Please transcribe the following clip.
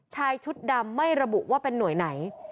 ชายชุดดำไม่ระบุว่าเป็นหน่วยไหน